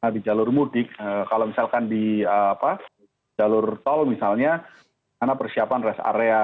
di jalur mudik kalau misalkan di jalur tol misalnya karena persiapan rest area